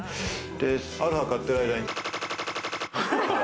アロハ買っている間に○○。